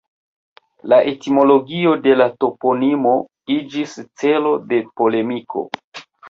La etimologio de la toponimo iĝis celo de polemiko.